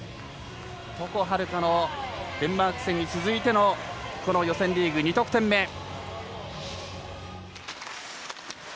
床秦留可のデンマーク戦に続いてのこの予選リーグ２得点目。